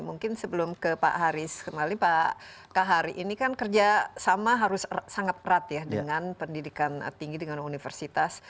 mungkin sebelum ke pak haris kembali pak kahar ini kan kerjasama harus sangat erat ya dengan pendidikan tinggi dengan universitas